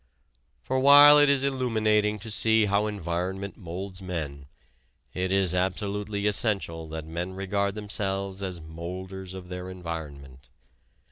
For while it is illuminating to see how environment moulds men, it is absolutely essential that men regard themselves as moulders of their environment.